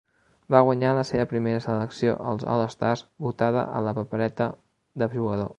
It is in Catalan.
Va guanyar la seva primera selecció als All-Star, votada a la Papereta de Jugador.